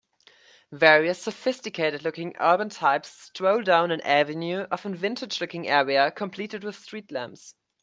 Various sophisticatedlooking urban types stroll down the avenue of a vintagelooking area, complete with street lamps.